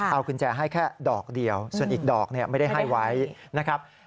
เอากุญแจให้แค่ดอกเดียวส่วนอีกดอกไม่ได้ให้ไว้นะครับ